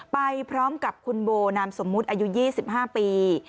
ไปพร้อมกับคุณโบนามสมมุติอายุ๒๕ปี